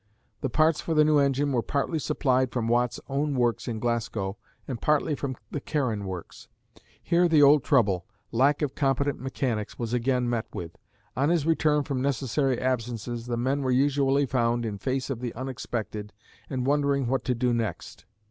The parts for the new engine were partly supplied from Watt's own works in Glasgow and partly from the Carron works. Here the old trouble, lack of competent mechanics, was again met with. On his return from necessary absences, the men were usually found in face of the unexpected and wondering what to do next.